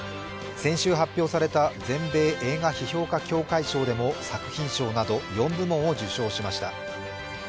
先週発表された全米映画批評家協会賞でも作品賞など４部門を受賞しました。